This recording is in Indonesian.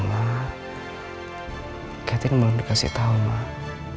catherine belum dikasih tahu mak